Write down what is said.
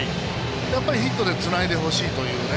やっぱりヒットでつないでほしいというね。